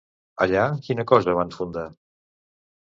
Allà, quina cosa van fundar?